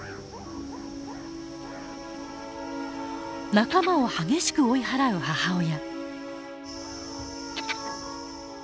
仲間を激しく追い払う母親。